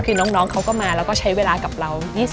คือน้องเขาก็มาแล้วก็ใช้เวลากับเรา